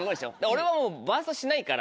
俺はもうバーストしないから。